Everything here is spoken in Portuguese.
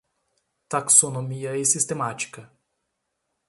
Taxonomia e sistemática